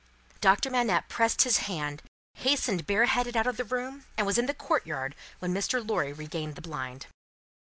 Doctor Manette pressed his hand, hastened bareheaded out of the room, and was in the courtyard when Mr. Lorry regained the blind.